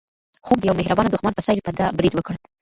خوب د یو مهربانه دښمن په څېر په ده برید وکړ.